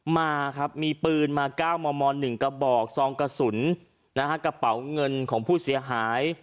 มาครับมีปืนมา๙มม๑กระบอกซองกระสุนกระเป๋าเงินของผู้เสียหาย